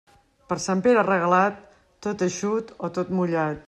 Per Sant Pere Regalat, tot eixut o tot mullat.